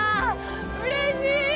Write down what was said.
うれしい！